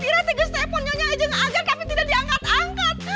ira teges teleponnya aja ngeaget tapi tidak diangkat angkat